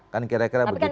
kan kira kira begitu ya